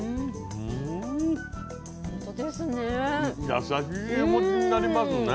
優しい気持ちになりますね。